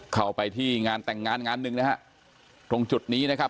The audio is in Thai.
เข้าไปที่งานแต่งงานงานหนึ่งนะฮะตรงจุดนี้นะครับ